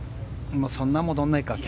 そんなに戻らないか。